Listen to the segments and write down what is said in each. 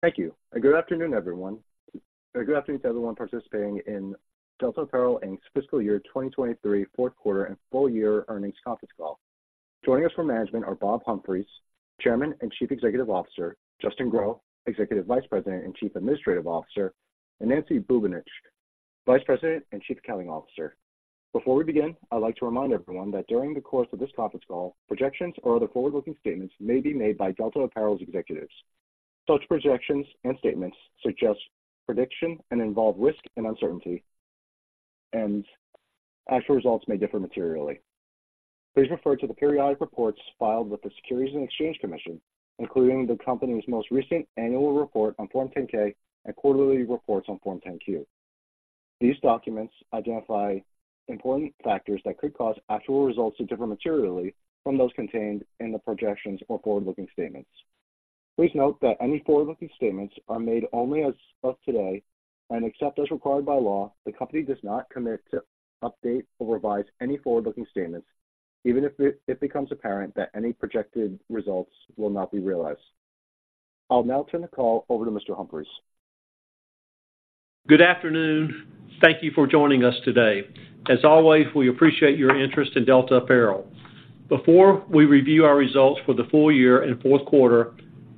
Thank you, and good afternoon, everyone. Good afternoon to everyone participating in Delta Apparel, Inc.'s Fiscal Year 2023 Fourth Quarter and Full Year Earnings Conference Call. Joining us from management are Bob Humphreys, Chairman and Chief Executive Officer, Justin Grow, Executive Vice President and Chief Administrative Officer, and Nancy Bubanich, Vice President and Chief Accounting Officer. Before we begin, I'd like to remind everyone that during the course of this conference call, projections or other forward-looking statements may be made by Delta Apparel's executives. Such projections and statements suggest prediction and involve risk and uncertainty, and actual results may differ materially. Please refer to the periodic reports filed with the Securities and Exchange Commission, including the company's most recent annual report on Form 10-K and quarterly reports on Form 10-Q. These documents identify important factors that could cause actual results to differ materially from those contained in the projections or forward-looking statements. Please note that any forward-looking statements are made only as of today, and except as required by law, the company does not commit to update or revise any forward-looking statements, even if it becomes apparent that any projected results will not be realized. I'll now turn the call over to Mr. Humphreys. Good afternoon. Thank you for joining us today. As always, we appreciate your interest in Delta Apparel. Before we review our results for the full year and fourth quarter,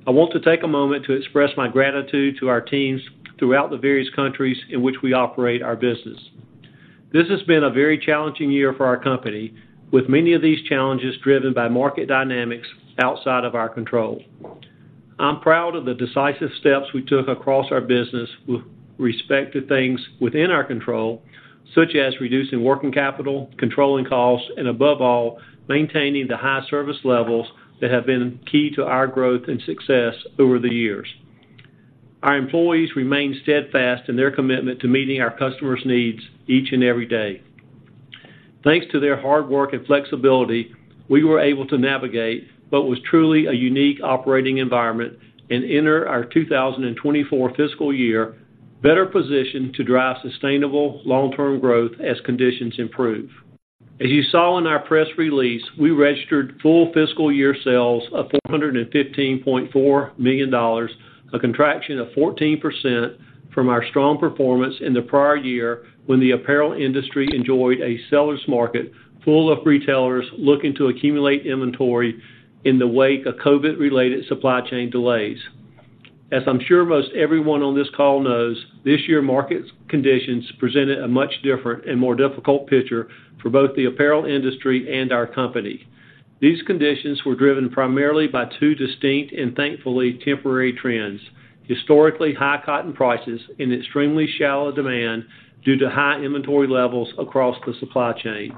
I want to take a moment to express my gratitude to our teams throughout the various countries in which we operate our business. This has been a very challenging year for our company, with many of these challenges driven by market dynamics outside of our control. I'm proud of the decisive steps we took across our business with respect to things within our control, such as reducing working capital, controlling costs, and above all, maintaining the high service levels that have been key to our growth and success over the years. Our employees remain steadfast in their commitment to meeting our customers' needs each and every day. Thanks to their hard work and flexibility, we were able to navigate what was truly a unique operating environment and enter our 2024 fiscal year better positioned to drive sustainable long-term growth as conditions improve. As you saw in our press release, we registered full fiscal year sales of $415.4 million, a contraction of 14% from our strong performance in the prior year, when the apparel industry enjoyed a seller's market full of retailers looking to accumulate inventory in the wake of COVID-related supply chain delays. As I'm sure most everyone on this call knows, this year, market conditions presented a much different and more difficult picture for both the apparel industry and our company. These conditions were driven primarily by two distinct and thankfully temporary trends: historically high cotton prices and extremely shallow demand due to high inventory levels across the supply chain.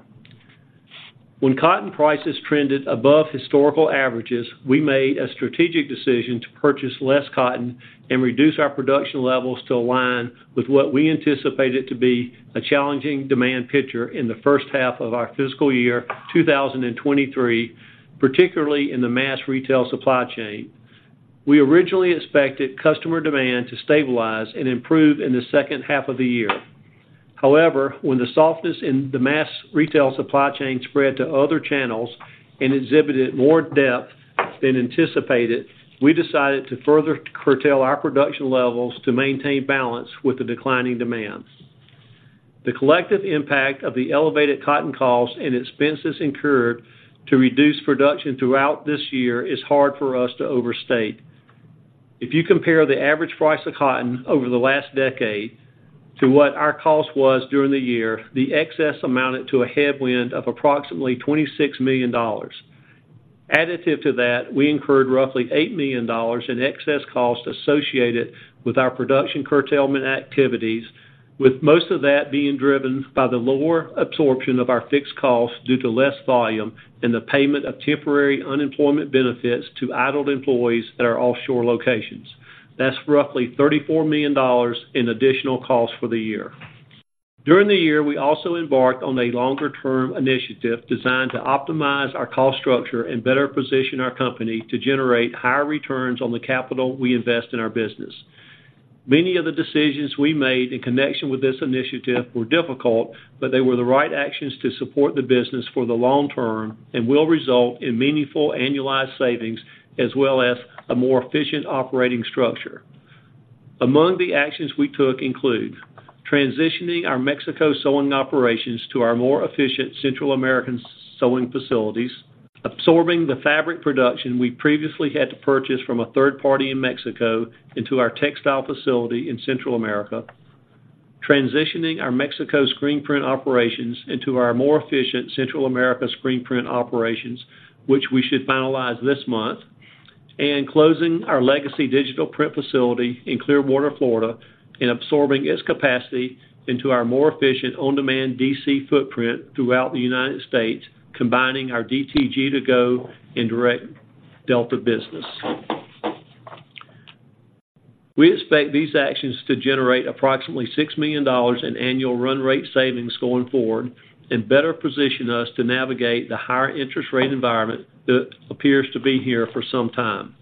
When cotton prices trended above historical averages, we made a strategic decision to purchase less cotton and reduce our production levels to align with what we anticipated to be a challenging demand picture in the first half of our fiscal year 2023, particularly in the mass retail supply chain. We originally expected customer demand to stabilize and improve in the second half of the year. However, when the softness in the mass retail supply chain spread to other channels and exhibited more depth than anticipated, we decided to further curtail our production levels to maintain balance with the declining demands. The collective impact of the elevated cotton costs and expenses incurred to reduce production throughout this year is hard for us to overstate. If you compare the average price of cotton over the last decade to what our cost was during the year, the excess amounted to a headwind of approximately $26 million. Additive to that, we incurred roughly $8 million in excess costs associated with our production curtailment activities, with most of that being driven by the lower absorption of our fixed costs due to less volume and the payment of temporary unemployment benefits to idled employees at our offshore locations. That's roughly $34 million in additional costs for the year. During the year, we also embarked on a longer-term initiative designed to optimize our cost structure and better position our company to generate higher returns on the capital we invest in our business. Many of the decisions we made in connection with this initiative were difficult, but they were the right actions to support the business for the long term and will result in meaningful annualized savings, as well as a more efficient operating structure. Among the actions we took include: transitioning our Mexico sewing operations to our more efficient Central American sewing facilities, absorbing the fabric production we previously had to purchase from a third party in Mexico into our textile facility in Central America, transitioning our Mexico screen print operations into our more efficient Central America screen print operations, which we should finalize this month, and closing our legacy digital print facility in Clearwater, Florida, and absorbing its capacity into our more efficient on-demand DC footprint throughout the United States, combining our DTG2Go and direct Delta business. We expect these actions to generate approximately $6 million in annual run rate savings going forward and better position us to navigate the higher interest rate environment that appears to be here for some time.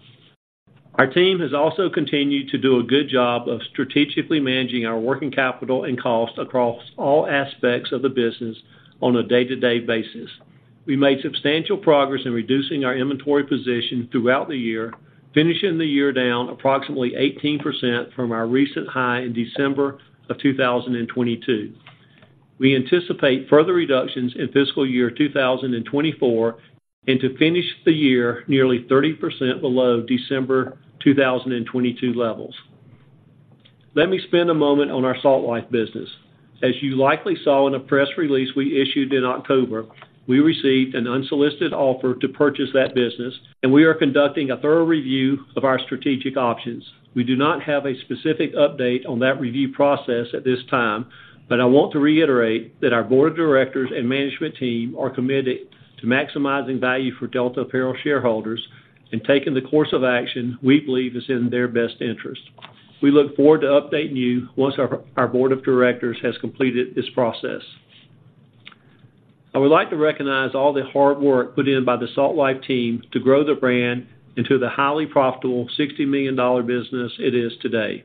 Our team has also continued to do a good job of strategically managing our working capital and cost across all aspects of the business on a day-to-day basis... We made substantial progress in reducing our inventory position throughout the year, finishing the year down approximately 18% from our recent high in December of 2022. We anticipate further reductions in fiscal year 2024, and to finish the year nearly 30% below December 2022 levels. Let me spend a moment on our Salt Life business. As you likely saw in a press release we issued in October, we received an unsolicited offer to purchase that business, and we are conducting a thorough review of our strategic options. We do not have a specific update on that review process at this time, but I want to reiterate that our board of directors and management team are committed to maximizing value for Delta Apparel shareholders and taking the course of action we believe is in their best interest. We look forward to updating you once our board of directors has completed this process. I would like to recognize all the hard work put in by the Salt Life team to grow the brand into the highly profitable $60 million business it is today.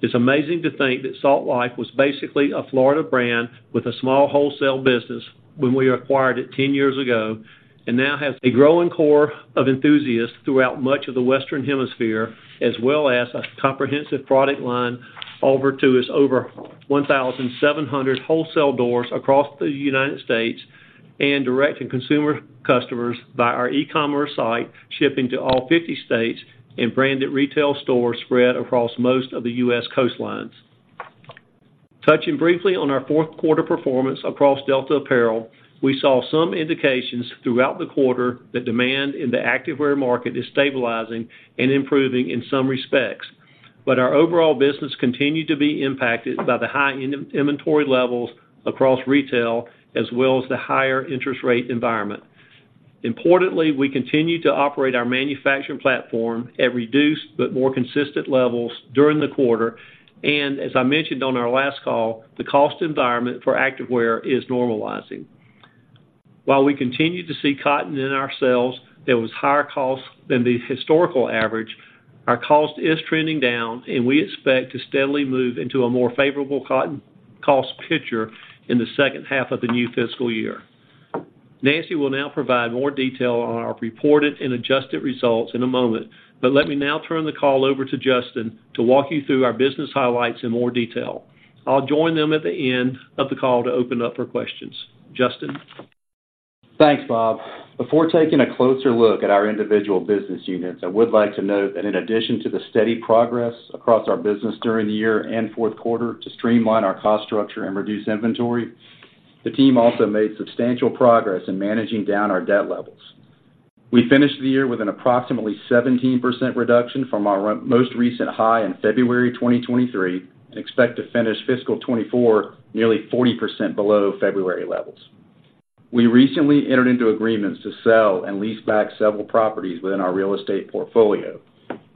It's amazing to think that Salt Life was basically a Florida brand with a small wholesale business when we acquired it 10 years ago, and now has a growing core of enthusiasts throughout much of the Western Hemisphere, as well as a comprehensive product line over to its over 1,700 wholesale doors across the United States and direct-to-consumer customers by our e-commerce site, shipping to all 50 states and branded retail stores spread across most of the U.S. coastlines. Touching briefly on our fourth quarter performance across Delta Apparel, we saw some indications throughout the quarter that demand in the activewear market is stabilizing and improving in some respects. But our overall business continued to be impacted by the high inventory levels across retail, as well as the higher interest rate environment. Importantly, we continue to operate our manufacturing platform at reduced but more consistent levels during the quarter, and as I mentioned on our last call, the cost environment for activewear is normalizing. While we continue to see cotton in our sales, there was higher costs than the historical average. Our cost is trending down, and we expect to steadily move into a more favorable cotton cost picture in the second half of the new fiscal year. Nancy will now provide more detail on our reported and adjusted results in a moment, but let me now turn the call over to Justin to walk you through our business highlights in more detail. I'll join them at the end of the call to open up for questions. Justin? Thanks, Bob. Before taking a closer look at our individual business units, I would like to note that in addition to the steady progress across our business during the year and fourth quarter to streamline our cost structure and reduce inventory, the team also made substantial progress in managing down our debt levels. We finished the year with an approximately 17% reduction from our most recent high in February 2023, and expect to finish fiscal 2024, nearly 40% below February levels. We recently entered into agreements to sell and lease back several properties within our real estate portfolio,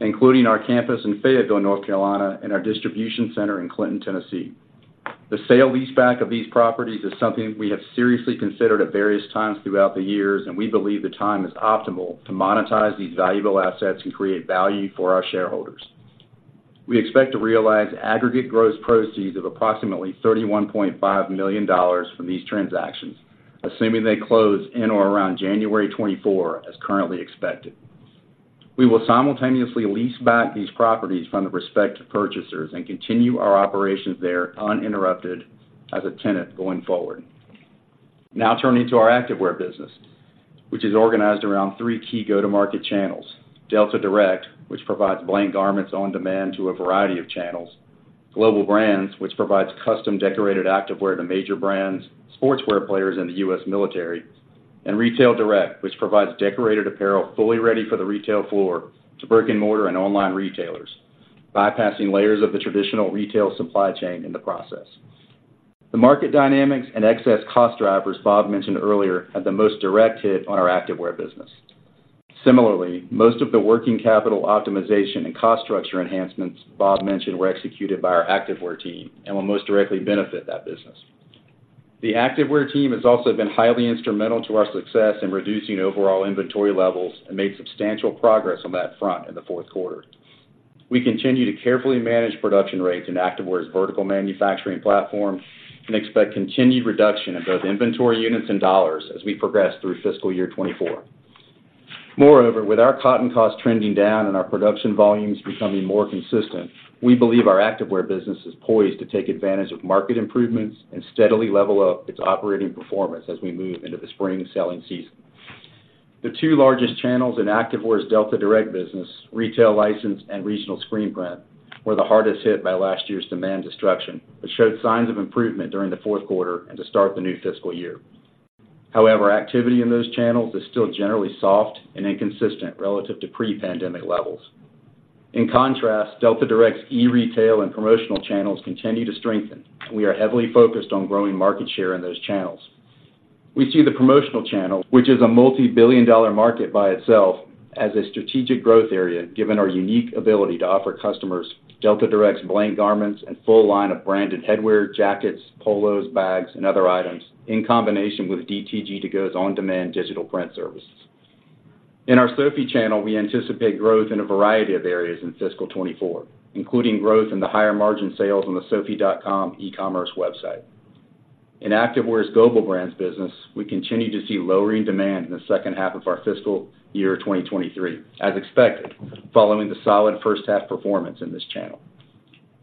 including our campus in Fayetteville, North Carolina, and our distribution center in Clinton, Tennessee. The sale-leaseback of these properties is something we have seriously considered at various times throughout the years, and we believe the time is optimal to monetize these valuable assets and create value for our shareholders. We expect to realize aggregate gross proceeds of approximately $31.5 million from these transactions, assuming they close in or around January 2024, as currently expected. We will simultaneously lease back these properties from the respective purchasers and continue our operations there uninterrupted as a tenant going forward. Now, turning to our activewear business, which is organized around three key go-to-market channels: Delta Direct, which provides blank garments on demand to a variety of channels, Global Brands, which provides custom decorated activewear to major brands, sportswear players in the U.S. military, and Retail Direct, which provides decorated apparel fully ready for the retail floor to brick-and-mortar and online retailers, bypassing layers of the traditional retail supply chain in the process. The market dynamics and excess cost drivers Bob mentioned earlier had the most direct hit on our activewear business. Similarly, most of the working capital optimization and cost structure enhancements Bob mentioned were executed by our activewear team and will most directly benefit that business. The activewear team has also been highly instrumental to our success in reducing overall inventory levels and made substantial progress on that front in the fourth quarter. We continue to carefully manage production rates in activewear's vertical manufacturing platform and expect continued reduction in both inventory units and dollars as we progress through fiscal year 2024. Moreover, with our cotton costs trending down and our production volumes becoming more consistent, we believe our activewear business is poised to take advantage of market improvements and steadily level up its operating performance as we move into the spring selling season. The two largest channels in activewear's Delta Direct business, retail license and regional screen print, were the hardest hit by last year's demand destruction, but showed signs of improvement during the fourth quarter and to start the new fiscal year. However, activity in those channels is still generally soft and inconsistent relative to pre-pandemic levels. In contrast, Delta Direct's e-retail and promotional channels continue to strengthen, and we are heavily focused on growing market share in those channels. We see the promotional channel, which is a multi-billion dollar market by itself, as a strategic growth area, given our unique ability to offer customers Delta Direct's blank garments and full line of branded headwear, jackets, polos, bags, and other items, in combination with DTG2Go's on-demand digital print services. In our Soffe channel, we anticipate growth in a variety of areas in fiscal 2024, including growth in the higher margin sales on the soffe.com e-commerce website. In activewear's Global Brands business, we continue to see lowering demand in the second half of our fiscal year 2023, as expected, following the solid first half performance in this channel.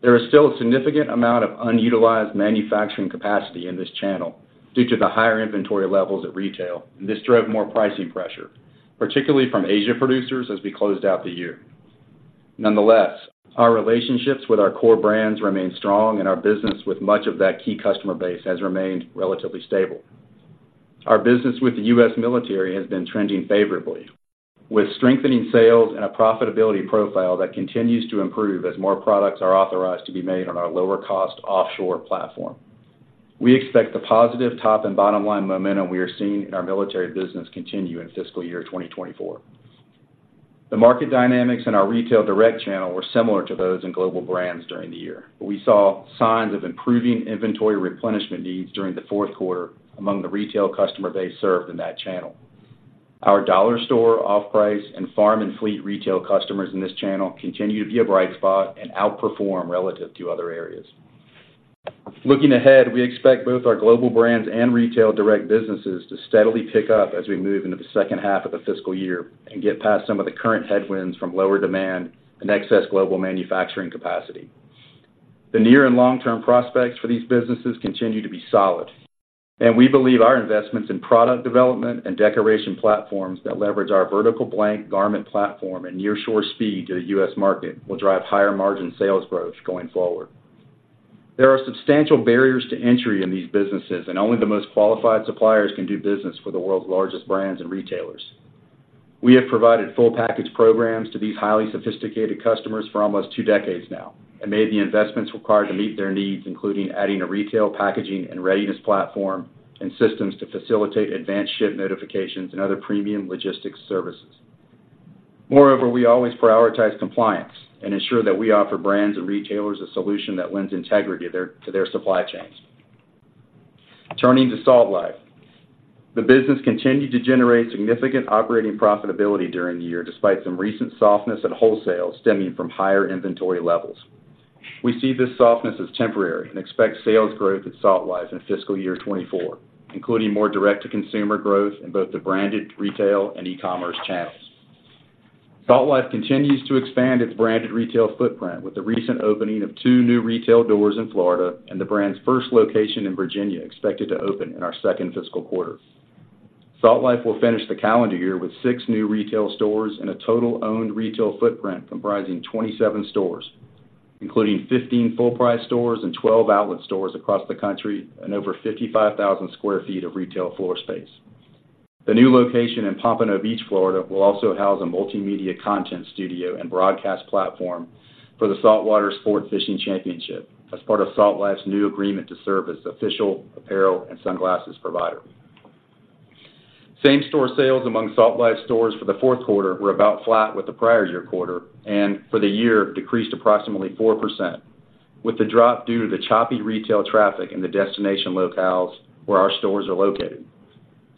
There is still a significant amount of unutilized manufacturing capacity in this channel due to the higher inventory levels at retail, and this drove more pricing pressure, particularly from Asia producers, as we closed out the year. Nonetheless, our relationships with our core brands remain strong, and our business with much of that key customer base has remained relatively stable. Our business with the U.S. military has been trending favorably, with strengthening sales and a profitability profile that continues to improve as more products are authorized to be made on our lower-cost offshore platform. We expect the positive top and bottom-line momentum we are seeing in our military business continue in fiscal year 2024. The market dynamics in our retail direct channel were similar to those in Global Brands during the year, but we saw signs of improving inventory replenishment needs during the fourth quarter among the retail customer base served in that channel. Our dollar store, off-price, and farm and fleet retail customers in this channel continue to be a bright spot and outperform relative to other areas. Looking ahead, we expect both our Global Brands and retail direct businesses to steadily pick up as we move into the second half of the fiscal year and get past some of the current headwinds from lower demand and excess global manufacturing capacity. The near and long-term prospects for these businesses continue to be solid, and we believe our investments in product development and decoration platforms that leverage our vertical blank garment platform and nearshore speed to the U.S. market will drive higher margin sales growth going forward. There are substantial barriers to entry in these businesses, and only the most qualified suppliers can do business with the world's largest brands and retailers. We have provided full package programs to these highly sophisticated customers for almost two decades now and made the investments required to meet their needs, including adding a retail packaging and readiness platform and systems to facilitate advanced ship notifications and other premium logistics services. Moreover, we always prioritize compliance and ensure that we offer brands and retailers a solution that lends integrity to their, to their supply chains. Turning to Salt Life. The business continued to generate significant operating profitability during the year, despite some recent softness at wholesale stemming from higher inventory levels. We see this softness as temporary and expect sales growth at Salt Life in fiscal year 2024, including more direct-to-consumer growth in both the branded retail and e-commerce channels. Salt Life continues to expand its branded retail footprint, with the recent opening of 2 new retail doors in Florida and the brand's first location in Virginia, expected to open in our second fiscal quarter. Salt Life will finish the calendar year with 6 new retail stores and a total owned retail footprint comprising 27 stores, including 15 full-price stores and 12 outlet stores across the country and over 55,000 sq ft of retail floor space. The new location in Pompano Beach, Florida, will also house a multimedia content studio and broadcast platform for the Saltwater Sport Fishing Championship as part of Salt Life's new agreement to serve as official apparel and sunglasses provider. Same-store sales among Salt Life stores for the fourth quarter were about flat with the prior year quarter and for the year decreased approximately 4%, with the drop due to the choppy retail traffic in the destination locales where our stores are located.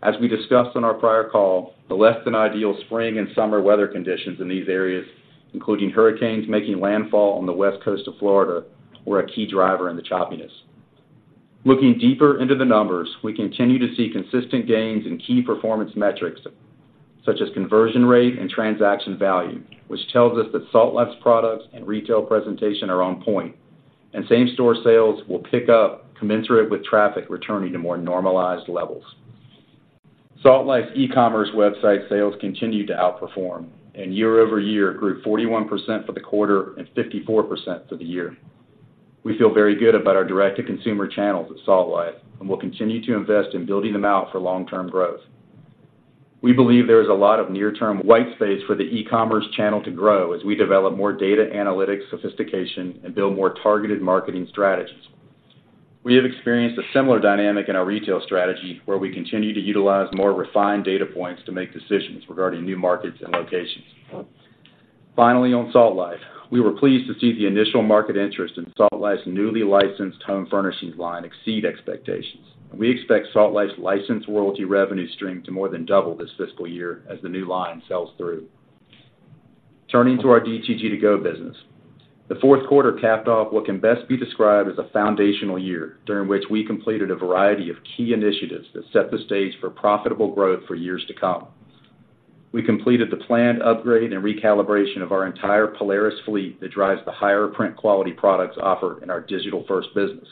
As we discussed on our prior call, the less than ideal spring and summer weather conditions in these areas, including hurricanes making landfall on the west coast of Florida, were a key driver in the choppiness. Looking deeper into the numbers, we continue to see consistent gains in key performance metrics, such as conversion rate and transaction value, which tells us that Salt Life's products and retail presentation are on point, and same-store sales will pick up commensurate with traffic returning to more normalized levels. Salt Life's e-commerce website sales continue to outperform, and year-over-year grew 41% for the quarter and 54% for the year. We feel very good about our direct-to-consumer channels at Salt Life and will continue to invest in building them out for long-term growth. We believe there is a lot of near-term white space for the e-commerce channel to grow as we develop more data analytics sophistication and build more targeted marketing strategies. We have experienced a similar dynamic in our retail strategy, where we continue to utilize more refined data points to make decisions regarding new markets and locations. Finally, on Salt Life, we were pleased to see the initial market interest in Salt Life's newly licensed home furnishings line exceed expectations, and we expect Salt Life's license royalty revenue stream to more than double this fiscal year as the new line sells through. Turning to our DTG2Go business, the fourth quarter capped off what can best be described as a foundational year, during which we completed a variety of key initiatives that set the stage for profitable growth for years to come. We completed the planned upgrade and recalibration of our entire Polaris fleet that drives the higher print quality products offered in our digital-first business.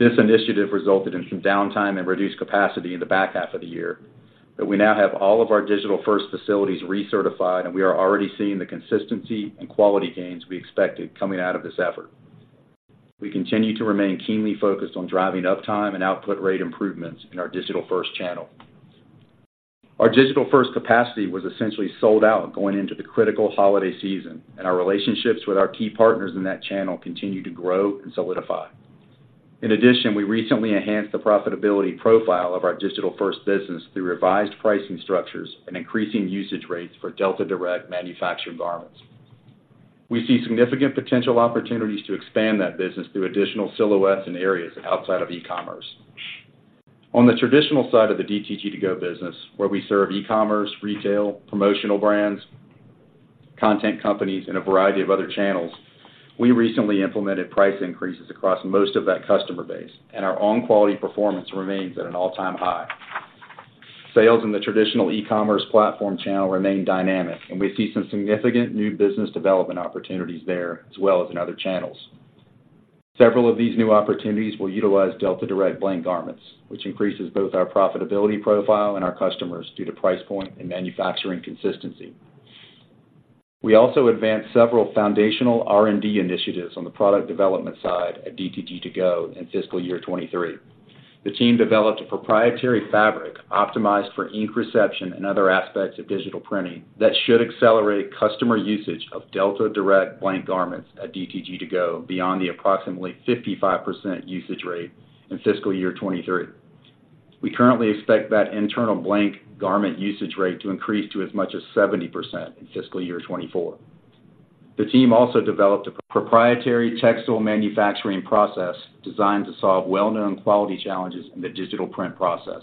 This initiative resulted in some downtime and reduced capacity in the back half of the year, but we now have all of our digital-first facilities recertified, and we are already seeing the consistency and quality gains we expected coming out of this effort. We continue to remain keenly focused on driving uptime and output rate improvements in our digital-first channel. Our digital-first capacity was essentially sold out going into the critical holiday season, and our relationships with our key partners in that channel continue to grow and solidify. In addition, we recently enhanced the profitability profile of our digital-first business through revised pricing structures and increasing usage rates for Delta Direct manufactured garments. We see significant potential opportunities to expand that business through additional silhouettes and areas outside of e-commerce. On the traditional side of the DTG2Go business, where we serve e-commerce, retail, promotional brands, content companies, and a variety of other channels, we recently implemented price increases across most of that customer base, and our own quality performance remains at an all-time high. Sales in the traditional e-commerce platform channel remain dynamic, and we see some significant new business development opportunities there, as well as in other channels. Several of these new opportunities will utilize Delta Direct blank garments, which increases both our profitability profile and our customers due to price point and manufacturing consistency. We also advanced several foundational R&D initiatives on the product development side at DTG2Go in fiscal year 2023. The team developed a proprietary fabric optimized for ink reception and other aspects of digital printing that should accelerate customer usage of Delta Direct blank garments at DTG2Go beyond the approximately 55% usage rate in fiscal year 2023. We currently expect that internal blank garment usage rate to increase to as much as 70% in fiscal year 2024. The team also developed a proprietary textile manufacturing process designed to solve well-known quality challenges in the digital print process.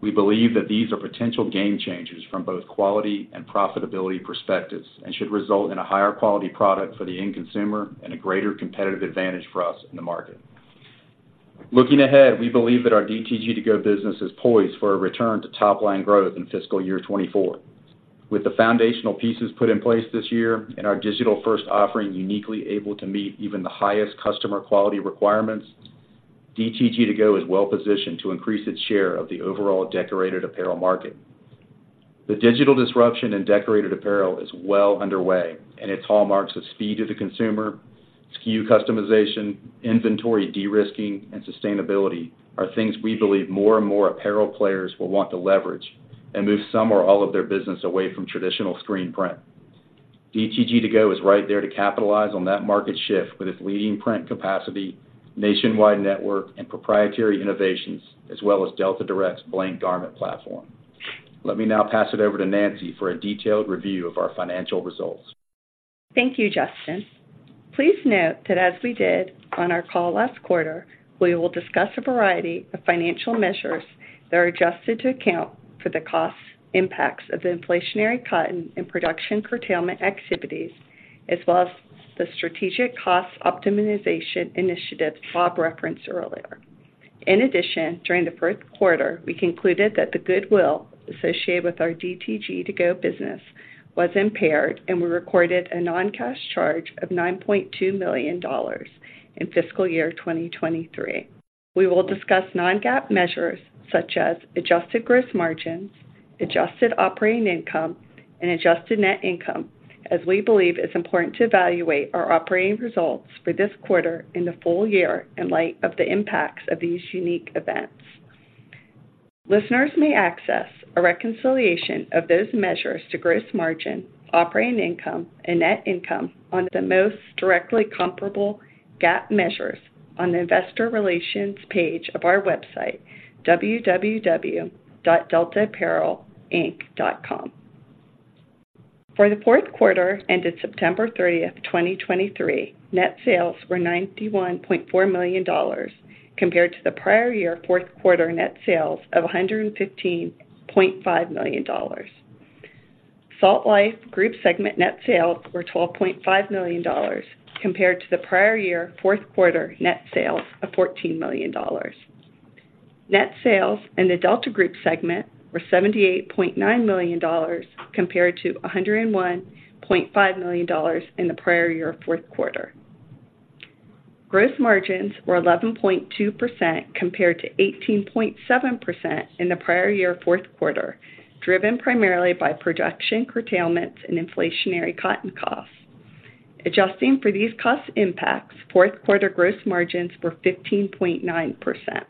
We believe that these are potential game changers from both quality and profitability perspectives, and should result in a higher quality product for the end consumer and a greater competitive advantage for us in the market. Looking ahead, we believe that our DTG2Go business is poised for a return to top-line growth in fiscal year 2024. With the foundational pieces put in place this year and our digital-first offering uniquely able to meet even the highest customer quality requirements, DTG2Go is well positioned to increase its share of the overall decorated apparel market. The digital disruption in decorated apparel is well underway, and its hallmarks of speed to the consumer, SKU customization, inventory de-risking, and sustainability are things we believe more and more apparel players will want to leverage and move some or all of their business away from traditional screen print. DTG2Go is right there to capitalize on that market shift with its leading print capacity, nationwide network, and proprietary innovations, as well as Delta Direct's blank garment platform. Let me now pass it over to Nancy for a detailed review of our financial results. Thank you, Justin. Please note that as we did on our call last quarter, we will discuss a variety of financial measures that are adjusted to account for the cost impacts of the inflationary cotton and production curtailment activities, as well as the strategic cost optimization initiatives Bob referenced earlier. In addition, during the first quarter, we concluded that the goodwill associated with our DTG2Go business was impaired, and we recorded a non-cash charge of $9.2 million in fiscal year 2023. We will discuss non-GAAP measures such as adjusted gross margins, adjusted operating income, and adjusted net income, as we believe it's important to evaluate our operating results for this quarter and the full year in light of the impacts of these unique events. Listeners may access a reconciliation of those measures to gross margin, operating income, and net income on the most directly comparable GAAP measures on the investor relations page of our website, www.deltaapparelinc.com. For the fourth quarter ended September 30, 2023, net sales were $91.4 million, compared to the prior year fourth quarter net sales of $115.5 million. Salt Life group segment net sales were $12.5 million, compared to the prior year fourth quarter net sales of $14 million. Net sales in the Delta group segment were $78.9 million, compared to $101.5 million in the prior year fourth quarter. Gross margins were 11.2%, compared to 18.7% in the prior year fourth quarter, driven primarily by production curtailments and inflationary cotton costs. Adjusting for these cost impacts, fourth quarter gross margins were 15.9%.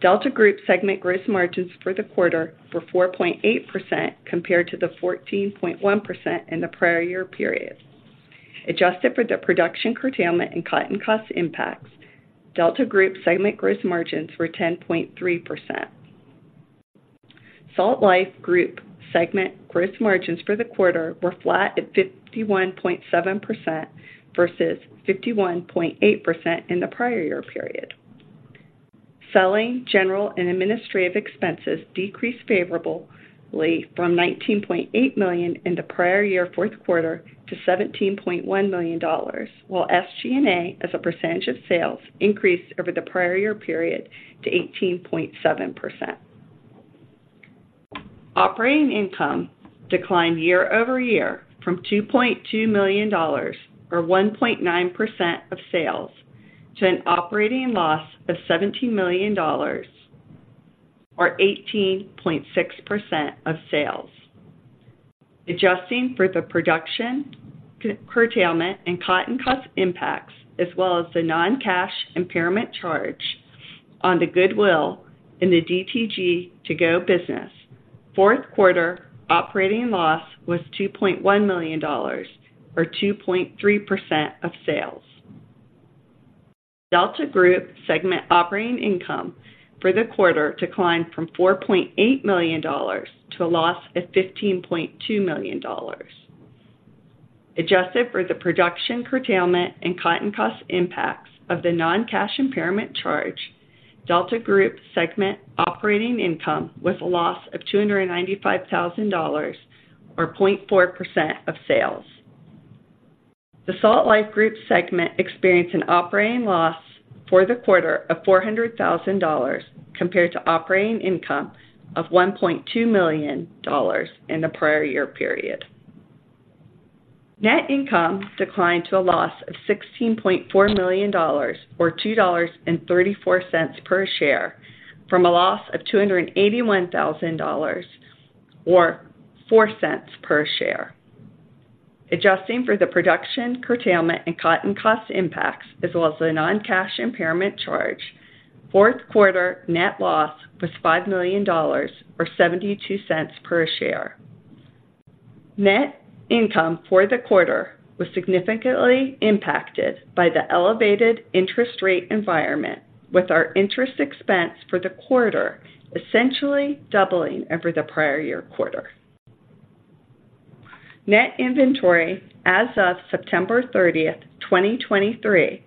Delta Group segment gross margins for the quarter were 4.8%, compared to the 14.1% in the prior year period. Adjusted for the production curtailment and cotton cost impacts, Delta Group segment gross margins were 10.3%. Salt Life Group segment gross margins for the quarter were flat at 51.7% versus 51.8% in the prior year period. Selling, general, and administrative expenses decreased favorably from $19.8 million in the prior year fourth quarter to $17.1 million, while SG&A, as a percentage of sales, increased over the prior year period to 18.7%. Operating income declined year-over-year from $2.2 million, or 1.9% of sales, to an operating loss of $17 million, or 18.6% of sales. Adjusting for the production curtailment and cotton cost impacts, as well as the non-cash impairment charge on the goodwill in the DTG2Go business, fourth quarter operating loss was $2.1 million, or 2.3% of sales....Delta Group segment operating income for the quarter declined from $4.8 million to a loss of $15.2 million. Adjusted for the production curtailment and cotton cost impacts of the non-cash impairment charge, Delta Group segment operating income was a loss of $295,000, or 0.4% of sales. The Salt Life Group segment experienced an operating loss for the quarter of $400,000, compared to operating income of $1.2 million in the prior year period. Net income declined to a loss of $16.4 million, or $2.34 per share, from a loss of $281,000, or $0.04 per share. Adjusting for the production curtailment and cotton cost impacts, as well as the non-cash impairment charge, fourth quarter net loss was $5 million, or $0.72 per share. Net income for the quarter was significantly impacted by the elevated interest rate environment, with our interest expense for the quarter essentially doubling over the prior year quarter. Net inventory as of September 30, 2023,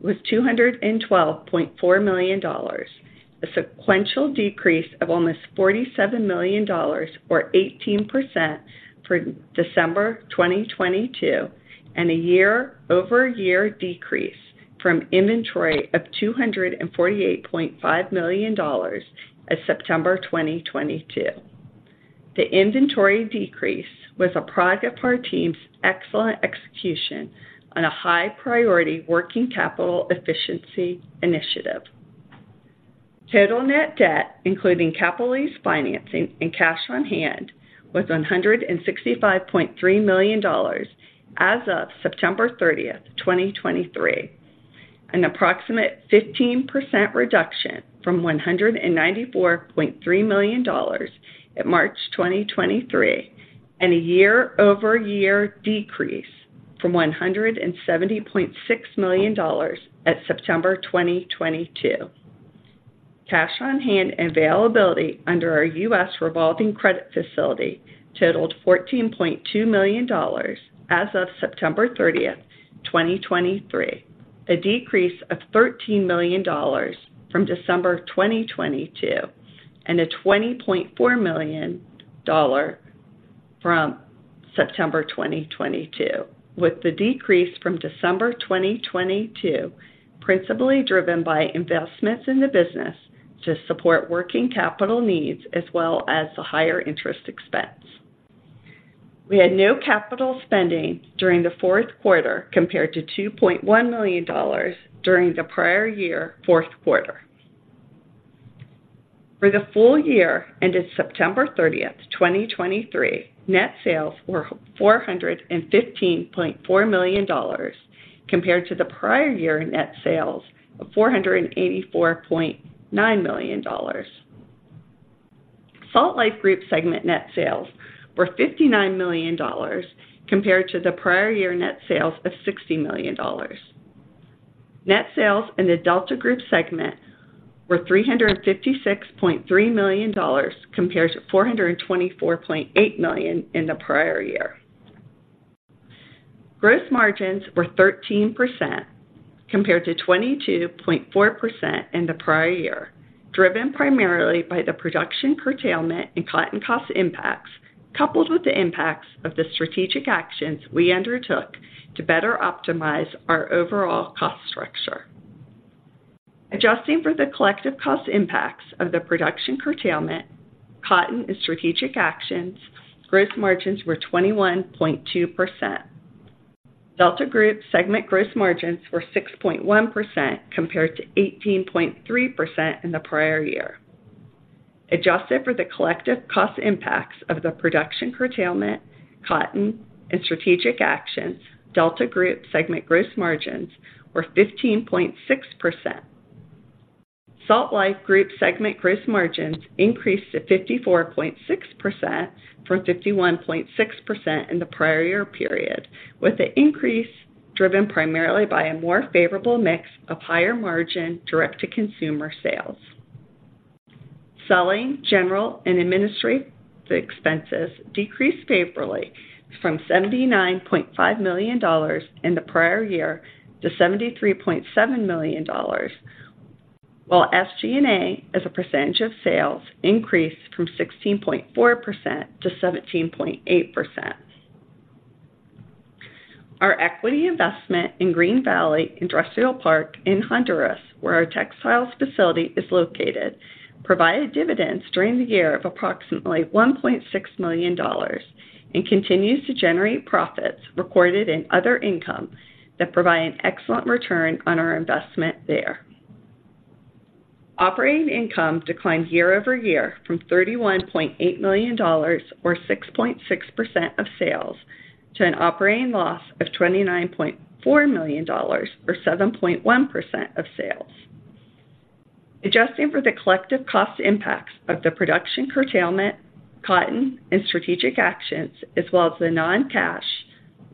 was $212.4 million, a sequential decrease of almost $47 million, or 18%, from December 2022, and a year-over-year decrease from inventory of $248.5 million as of September 2022. The inventory decrease was a product of our team's excellent execution on a high-priority working capital efficiency initiative. Total net debt, including capital lease financing and cash on hand, was $165.3 million as of September 30, 2023, an approximate 15% reduction from $194.3 million in March 2023, and a year-over-year decrease from $170.6 million at September 2022. Cash on hand and availability under our U.S. revolving credit facility totaled $14.2 million as of September 30, 2023, a decrease of $13 million from December 2022 and a $20.4 million from September 2022, with the decrease from December 2022 principally driven by investments in the business to support working capital needs, as well as the higher interest expense. We had no capital spending during the fourth quarter, compared to $2.1 million during the prior year fourth quarter. For the full year ended September 30, 2023, net sales were $415.4 million, compared to the prior year net sales of $484.9 million. Salt Life Group segment net sales were $59 million, compared to the prior year net sales of $60 million. Net sales in the Delta Group segment were $356.3 million, compared to $424.8 million in the prior year. Gross margins were 13%, compared to 22.4% in the prior year, driven primarily by the production curtailment and cotton cost impacts, coupled with the impacts of the strategic actions we undertook to better optimize our overall cost structure. Adjusting for the collective cost impacts of the production curtailment, cotton and strategic actions, gross margins were 21.2%. Delta Group segment gross margins were 6.1%, compared to 18.3% in the prior year. Adjusted for the collective cost impacts of the production curtailment, cotton, and strategic actions, Delta Group segment gross margins were 15.6%. Salt Life Group segment gross margins increased to 54.6% from 51.6% in the prior year period, with the increase driven primarily by a more favorable mix of higher margin direct-to-consumer sales. Selling, general, and administrative expenses decreased favorably from $79.5 million in the prior year to $73.7 million, while SG&A, as a percentage of sales, increased from 16.4% to 17.8%. Our equity investment in Green Valley Industrial Park in Honduras, where our textiles facility is located, provided dividends during the year of approximately $1.6 million and continues to generate profits recorded in other income that provide an excellent return on our investment there. Operating income declined year-over-year from $31.8 million, or 6.6% of sales, to an operating loss of $29.4 million, or 7.1% of sales. Adjusting for the collective cost impacts of the production curtailment, cotton, and strategic actions, as well as the non-cash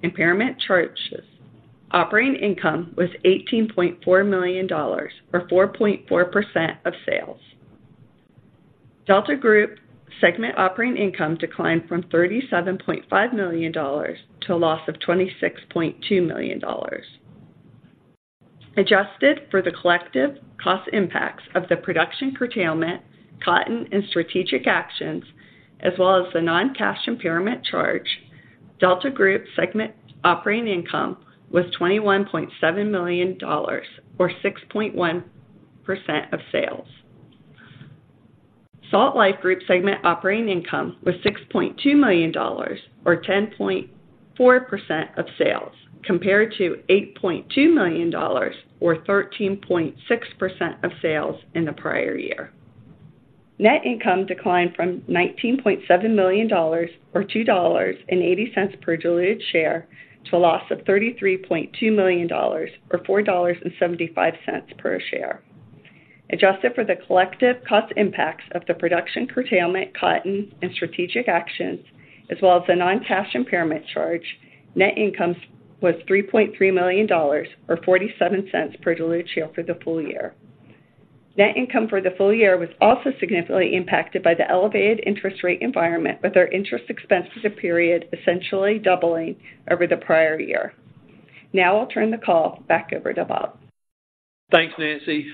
impairment charges, operating income was $18.4 million, or 4.4% of sales. Delta Group segment operating income declined from $37.5 million to a loss of $26.2 million. Adjusted for the collective cost impacts of the production curtailment, cotton and strategic actions, as well as the non-cash impairment charge, Delta Group segment operating income was $21.7 million, or 6.1% of sales. Salt Life Group segment operating income was $6.2 million, or 10.4% of sales, compared to $8.2 million, or 13.6% of sales in the prior year. Net income declined from $19.7 million, or $2.80 per diluted share, to a loss of $33.2 million, or $4.75 per share. Adjusted for the collective cost impacts of the production curtailment, cotton, and strategic actions, as well as the non-cash impairment charge, net income was $3.3 million, or $0.47 per diluted share for the full year. Net income for the full year was also significantly impacted by the elevated interest rate environment, with our interest expenses of period essentially doubling over the prior year. Now I'll turn the call back over to Bob. Thanks, Nancy.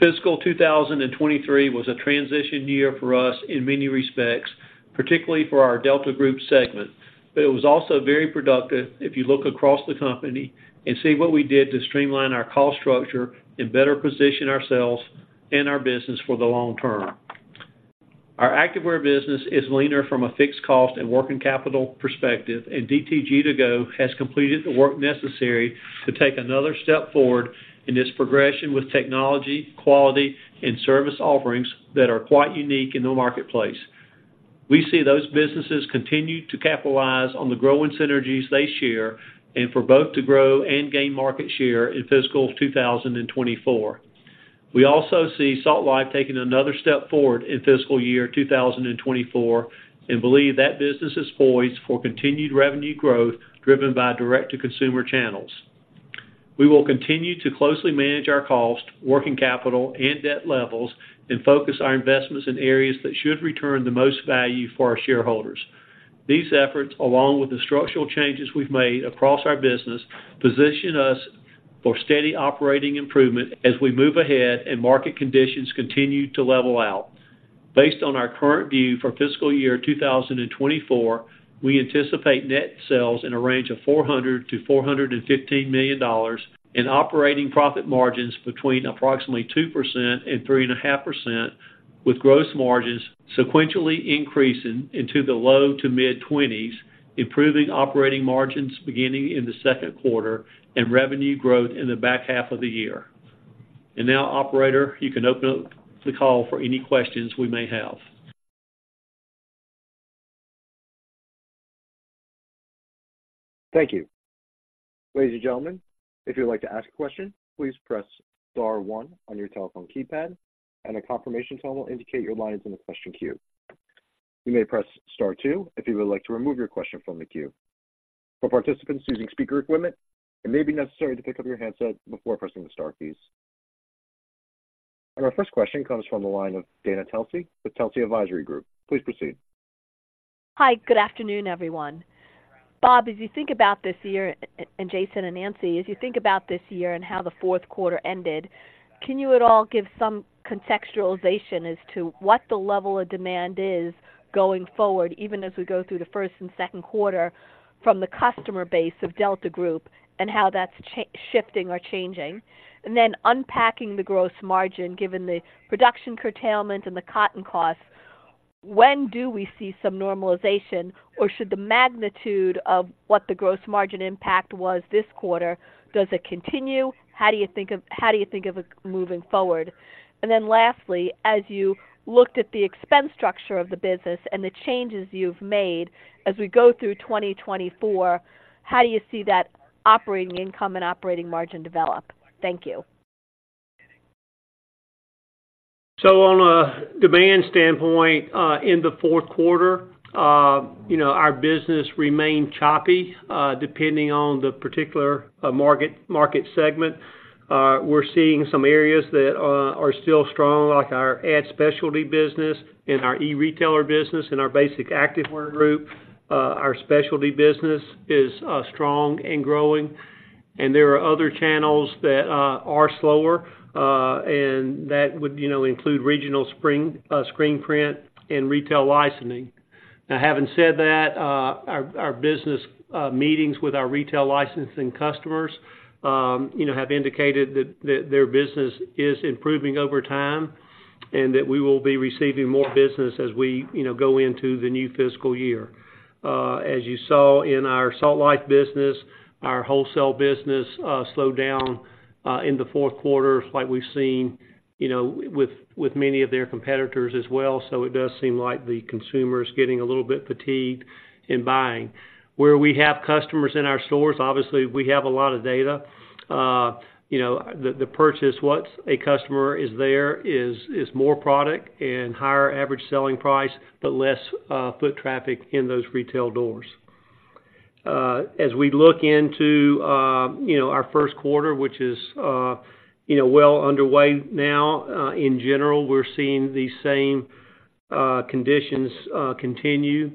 Fiscal 2023 was a transition year for us in many respects, particularly for our Delta Group segment. It was also very productive if you look across the company and see what we did to streamline our cost structure and better position ourselves and our business for the long term. Our activewear business is leaner from a fixed cost and working capital perspective, and DTG2Go has completed the work necessary to take another step forward in this progression with technology, quality, and service offerings that are quite unique in the marketplace. We see those businesses continue to capitalize on the growing synergies they share and for both to grow and gain market share in fiscal 2024. We also see Salt Life taking another step forward in fiscal year 2024, and believe that business is poised for continued revenue growth, driven by direct-to-consumer channels. We will continue to closely manage our cost, working capital, and debt levels and focus our investments in areas that should return the most value for our shareholders. These efforts, along with the structural changes we've made across our business, position us for steady operating improvement as we move ahead and market conditions continue to level out. Based on our current view for fiscal year 2024, we anticipate net sales in a range of $400 million-$415 million, and operating profit margins between approximately 2% and 3.5%, with gross margins sequentially increasing into the low to mid-20s%, improving operating margins beginning in the second quarter and revenue growth in the back half of the year. Now, operator, you can open up the call for any questions we may have. Thank you. Ladies and gentlemen, if you'd like to ask a question, please press star one on your telephone keypad, and a confirmation tone will indicate your line is in the question queue. You may press star two if you would like to remove your question from the queue. For participants using speaker equipment, it may be necessary to pick up your handset before pressing the star keys. Our first question comes from the line of Dana Telsey with Telsey Advisory Group. Please proceed. Hi, good afternoon, everyone. Bob, as you think about this year, and Justin and Nancy, as you think about this year and how the fourth quarter ended, can you at all give some contextualization as to what the level of demand is going forward, even as we go through the first and second quarter from the customer base of Delta Group and how that's shifting or changing? And then unpacking the gross margin, given the production curtailment and the cotton costs, when do we see some normalization, or should the magnitude of what the gross margin impact was this quarter, does it continue? How do you think of it moving forward? And then lastly, as you looked at the expense structure of the business and the changes you've made as we go through 2024, how do you see that operating income and operating margin develop? Thank you. So on a demand standpoint, in the fourth quarter, you know, our business remained choppy, depending on the particular market segment. We're seeing some areas that are still strong, like our ad specialty business and our e-retailer business and our basic activewear group. Our specialty business is strong and growing, and there are other channels that are slower, and that would, you know, include regional screen print and retail licensing. Now, having said that, our business meetings with our retail licensing customers, you know, have indicated that their business is improving over time, and that we will be receiving more business as we, you know, go into the new fiscal year. As you saw in our Salt Life business, our wholesale business slowed down in the fourth quarter, like we've seen, you know, with many of their competitors as well. So it does seem like the consumer is getting a little bit fatigued in buying. Where we have customers in our stores, obviously, we have a lot of data. You know, the purchase, once a customer is there, is more product and higher average selling price, but less foot traffic in those retail doors. As we look into our first quarter, which is well underway now, in general, we're seeing the same conditions continue.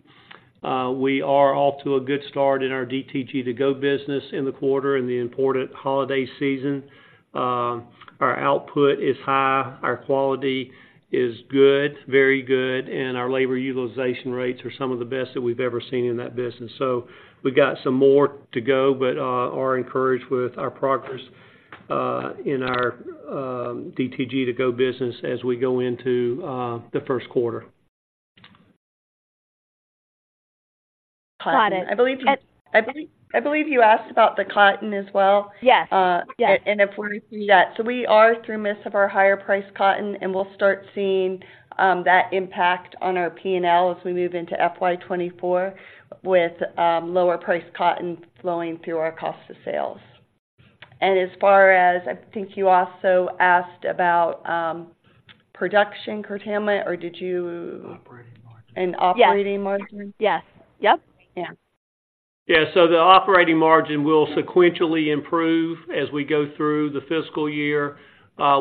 We are off to a good start in our DTG2Go business in the quarter and the important holiday season. Our output is high, our quality is good, very good, and our labor utilization rates are some of the best that we've ever seen in that business. So we've got some more to go, but are encouraged with our progress in our DTG2Go business as we go into the first quarter. Got it. I believe you asked about the cotton as well? Yes. Yes. And if we're through that. So we are through most of our higher price cotton, and we'll start seeing that impact on our P&L as we move into FY 2024, with lower price cotton flowing through our cost of sales. And as far as, I think you also asked about production curtailment, or did you- Operating margin. Operating margin? Yes. Yep. Yeah. Yeah, so the operating margin will sequentially improve as we go through the fiscal year.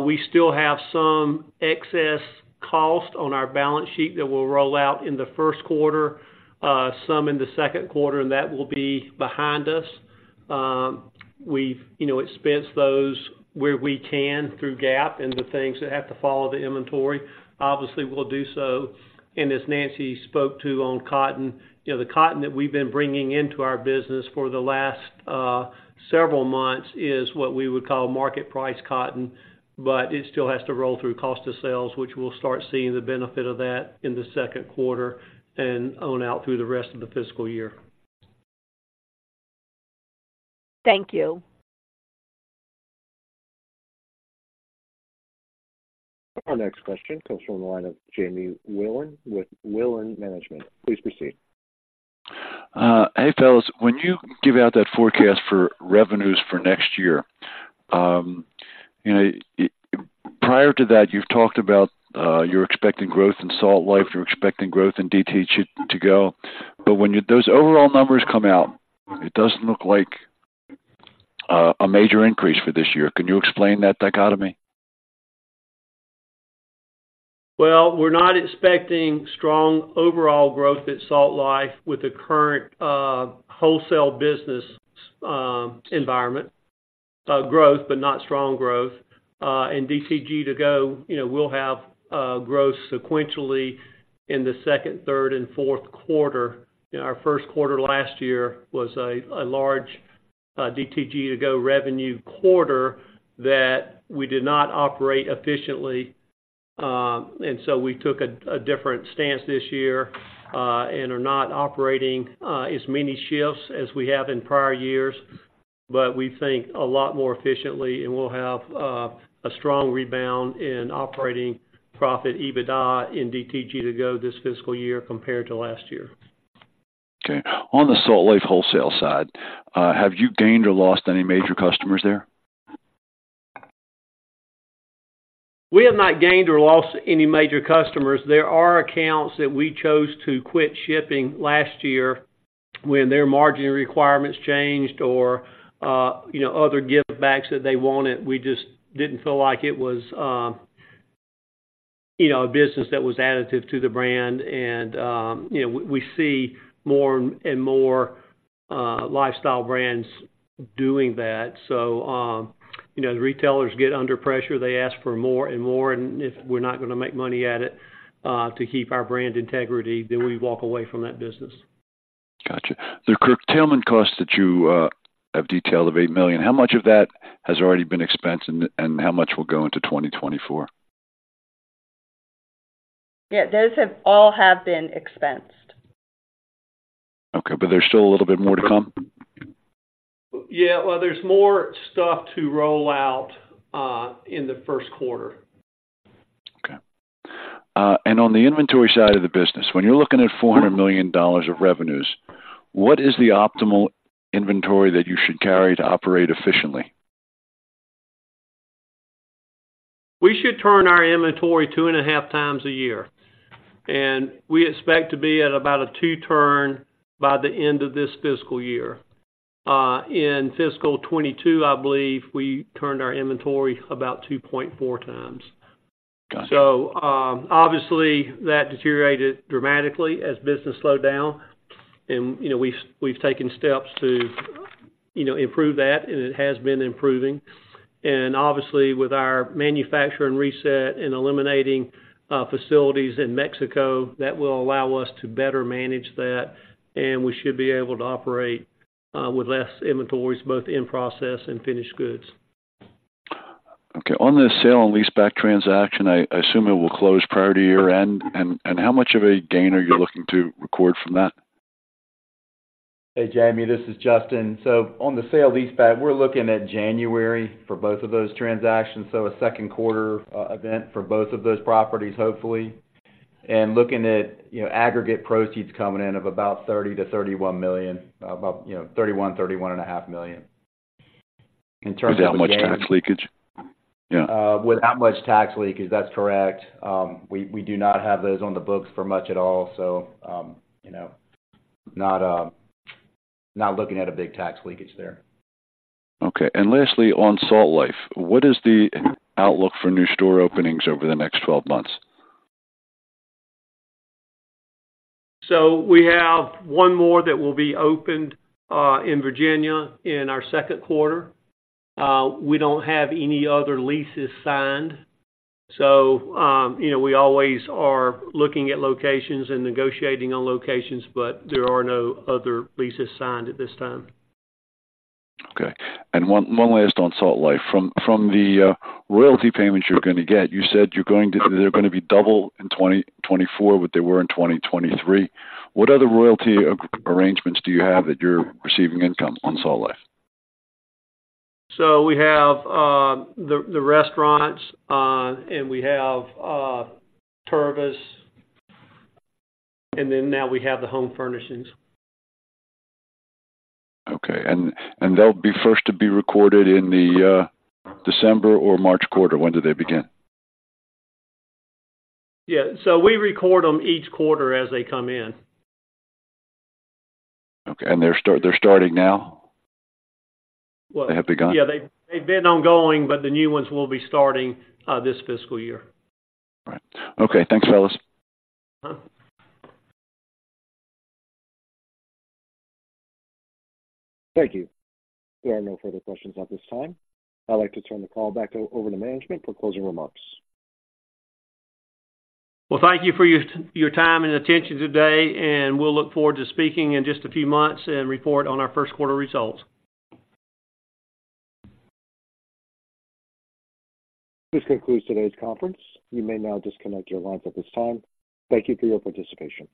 We still have some excess cost on our balance sheet that will roll out in the first quarter, some in the second quarter, and that will be behind us. We've, you know, expensed those where we can through GAAP, and the things that have to follow the inventory, obviously, will do so. And as Nancy spoke to on cotton, you know, the cotton that we've been bringing into our business for the last several months is what we would call market price cotton, but it still has to roll through cost of sales, which we'll start seeing the benefit of that in the second quarter and on out through the rest of the fiscal year. Thank you. Our next question comes from the line of Jamie Wilen with Wilen Management. Please proceed. Hey, fellas. When you give out that forecast for revenues for next year, you know, prior to that, you've talked about, you're expecting growth in Salt Life, you're expecting growth in DTG2Go. But when those overall numbers come out, it doesn't look like a major increase for this year. Can you explain that dichotomy? Well, we're not expecting strong overall growth at Salt Life with the current, wholesale business, environment. Growth, but not strong growth. And DTG2Go, you know, we'll have growth sequentially in the second, third, and fourth quarter. In our first quarter last year was a large DTG2Go revenue quarter that we did not operate efficiently. And so we took a different stance this year, and are not operating as many shifts as we have in prior years, but we think a lot more efficiently, and we'll have a strong rebound in operating profit, EBITDA and DTG2Go this fiscal year compared to last year. Okay. On the Salt Life wholesale side, have you gained or lost any major customers there? We have not gained or lost any major customers. There are accounts that we chose to quit shipping last year when their margin requirements changed or, you know, other givebacks that they wanted. We just didn't feel like it was, you know, a business that was additive to the brand. And, you know, we, we see more and more, lifestyle brands doing that. So, you know, the retailers get under pressure, they ask for more and more, and if we're not gonna make money at it, to keep our brand integrity, then we walk away from that business. Got you. The curtailment costs that you have detailed of $8 million, how much of that has already been expensed and, and how much will go into 2024? Yeah, those have all been expensed. Okay, but there's still a little bit more to come? Yeah, well, there's more stuff to roll out in the first quarter. Okay. On the inventory side of the business, when you're looking at $400 million of revenues, what is the optimal inventory that you should carry to operate efficiently? We should turn our inventory 2.5 times a year, and we expect to be at about a 2 turn by the end of this fiscal year. In fiscal 2022, I believe we turned our inventory about 2.4 times. Got you. So, obviously, that deteriorated dramatically as business slowed down. And, you know, we've taken steps to, you know, improve that, and it has been improving. And obviously, with our manufacturer and reset and eliminating facilities in Mexico, that will allow us to better manage that, and we should be able to operate with less inventories, both in-process and finished goods. Okay. On the sale and leaseback transaction, I assume it will close prior to year-end. How much of a gain are you looking to record from that? Hey, Jamie, this is Justin. So on the sale-leaseback, we're looking at January for both of those transactions, so a second quarter event for both of those properties, hopefully. And looking at, you know, aggregate proceeds coming in of about $30-$31 million, about, you know, $31-$31.5 million. Without much tax leakage? Yeah. Without much tax leakage, that's correct. We do not have those on the books for much at all, so, you know, not looking at a big tax leakage there. Okay. Lastly, on Salt Life, what is the outlook for new store openings over the next 12 months? So we have one more that will be opened in Virginia in our second quarter. We don't have any other leases signed, so, you know, we always are looking at locations and negotiating on locations, but there are no other leases signed at this time. Okay. And one last on Salt Life. From the royalty payments you're going to get, you said you're going to—they're going to be double in 2024 what they were in 2023. What other royalty arrangements do you have that you're receiving income on Salt Life? So we have the restaurants, and we have Tervis, and then now we have the home furnishings. Okay. And they'll be first to be recorded in the December or March quarter. When do they begin? Yeah, so we record them each quarter as they come in. Okay. And they're starting now? Well- They have begun? Yeah, they've, they've been ongoing, but the new ones will be starting this fiscal year. All right. Okay, thanks, fellas. Uh-huh. Thank you. There are no further questions at this time. I'd like to turn the call back over to management for closing remarks. Well, thank you for your time and attention today, and we'll look forward to speaking in just a few months and report on our first quarter results. This concludes today's conference. You may now disconnect your lines at this time. Thank you for your participation.